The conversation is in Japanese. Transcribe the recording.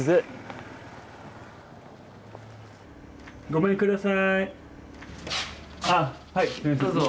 ごめんください。どうぞ。